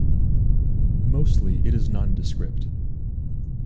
Mostly it is nondescript.